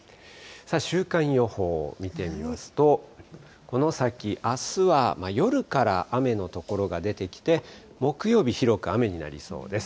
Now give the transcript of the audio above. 週間予報を見てみますと、この先、あすは夜から雨の所が出てきて、木曜日、広く雨になりそうです。